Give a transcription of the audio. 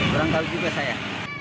kurang tahu juga saya